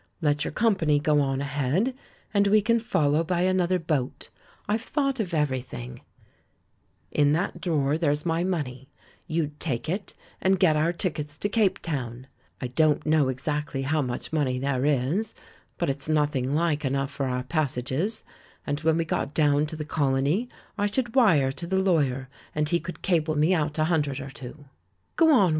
Let your company go on ahead, and we can follow by another boat! I've thought of everything. In that drawer, there's 136 THE MAN WHO UNDERSTOOD WOMEN my money — you'd take it and get our tickets to Cape Town. I don't know exactly how much money there is, but it's nothing like enough for our passages, and when we got down to the Col ony I should wire to the lawyer, and he could cable me out a hundred or two." "Go on.